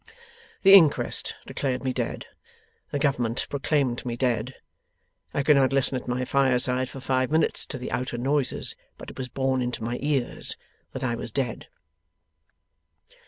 The Inquest declared me dead, the Government proclaimed me dead; I could not listen at my fireside for five minutes to the outer noises, but it was borne into my ears that I was dead.